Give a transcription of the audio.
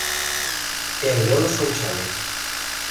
Эрвелыш ончале.